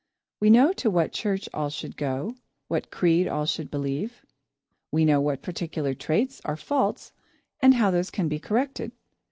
We know to what church all should go; what creed all should believe. We know what particular traits are faults and how these can be corrected.